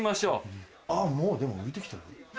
もうでも浮いて来てる？